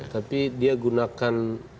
tapi dia gunakan